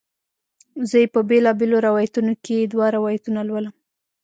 زه یې په بیلابیلو روایتونو کې دوه روایتونه لولم.